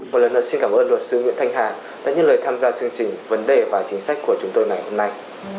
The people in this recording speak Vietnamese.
một lần nữa xin cảm ơn luật sư nguyễn thanh hà đã nhân lời tham gia chương trình vấn đề và chính sách của chúng tôi ngày hôm nay